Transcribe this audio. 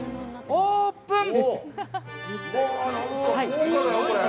オープン！